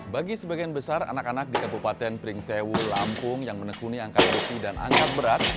bagi sebagian besar anak anak di kabupaten pringsewu lampung yang menekuni angka korupsi dan angkat berat